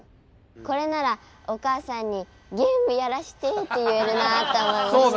これならお母さんにゲームやらしてって言えるなって思いました。